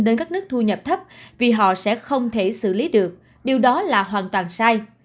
đến các nước thu nhập thấp vì họ sẽ không thể xử lý được điều đó là hoàn toàn sai